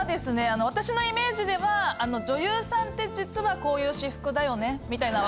あの私のイメージでは女優さんって実はこういう私服だよねみたいな。